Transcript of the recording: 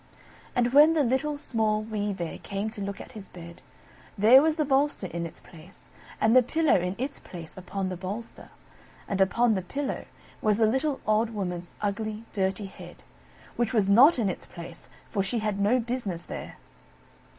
And when the Little, Small, Wee Bear came to look at his bed, there was the bolster in its place; and the pillow in its place upon the bolster; and upon the pillow was the little old Woman's ugly, dirty head, which was not in its place, for she had no business there.